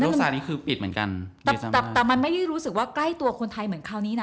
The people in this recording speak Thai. โรคสารุนปิดเหมือนกันมันไม่รู้สึกว่าใกล้ตัวคนไทยเหมือนคราวนี้นะ